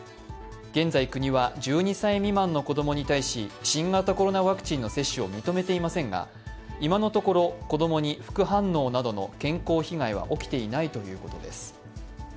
現在国は１２歳未満の子どもに対し新型コロナワクチンの接種を認めていませんが今のところ子供に副反応などの健康被害は起きていないということです。